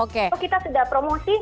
kalau kita sudah promosi